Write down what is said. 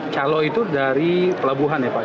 calo itu dari pelabuhan ya pak